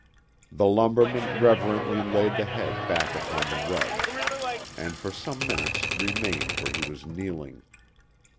The lumberman reverently laid the head back upon the rugs, and for some minutes remained where he was kneeling.